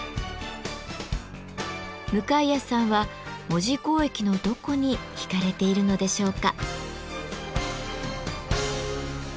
向谷さんは門司港駅のどこに引かれているのでしょうか？